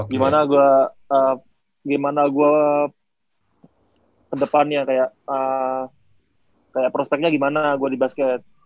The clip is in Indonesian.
gimana gue gimana gue ke depannya kayak prospeknya gimana gue di basket